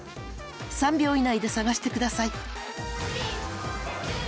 ３秒以内で探して下さい。